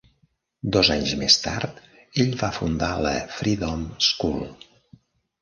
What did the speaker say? Dos anys més tard ell va fundar la Freedom School.